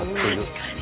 確かに。